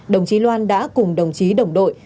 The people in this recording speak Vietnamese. đồng chí loan đã cùng đồng chí đồng đội